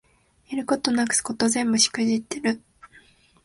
やることなすこと全部しくじってる